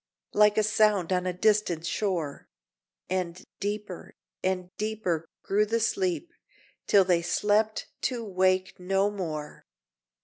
Like a sound on a distant shore, And deeper and deeper grew the sleep, Till they slept to wake no more.